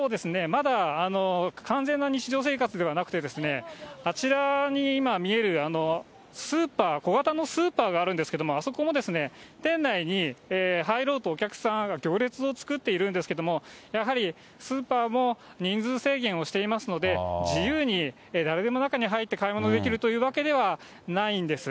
まだ完全な日常生活ではなくて、あちらに今見える、スーパー、小型のスーパーがあるんですけれども、あそこの店内に入ろうとお客さんが行列を作っているんですけれども、やはりスーパーも人数制限をしていますので、自由に誰でも中に入って買い物できるというわけではないんです。